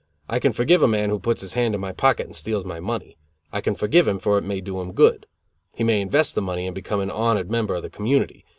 I can forgive a man who puts his hand in my pocket and steals my money. I can forgive him, for it may do him good. He may invest the money and become an honored member of the community.